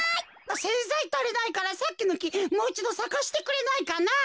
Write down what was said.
せんざいたりないからさっきのきもういちどさかせてくれないかな。